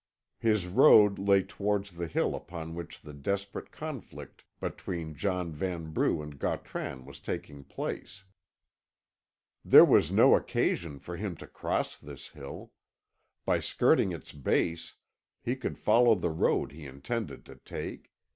His road lay towards the hill upon which the desperate conflict between John Vanbrugh and Gautran was taking place. There was no occasion for him to cross this hill; by skirting its base he could follow the road he intended to take.